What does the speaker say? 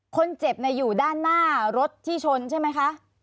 คนเจ็บอยู่ด้านหน้ารถที่ชนใช่ไหมคะ